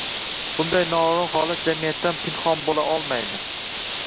Bunday noo‘rin holat jamiyatdan pinhon bo‘la olmaydi.